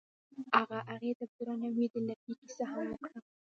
هغه هغې ته په درناوي د لرګی کیسه هم وکړه.